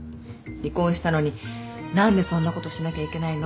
離婚したのに何でそんなことしなきゃいけないのって。